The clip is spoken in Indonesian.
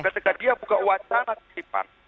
ketika dia buka wacana titipan